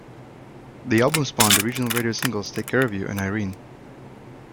The album spawned the regional radio singles "Take Care of You" and "Irene.